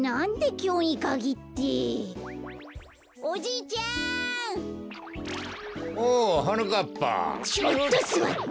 ちょっとすわって！